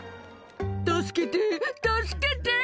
助けて、助けて！